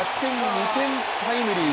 ２点タイムリー。